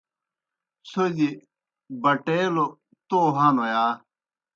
څھوْدیْ بَٹَیلَوْ تو ہنوْ یا؟